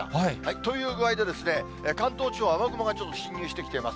という具合で、関東地方、雨雲がちょっと進入してきてます。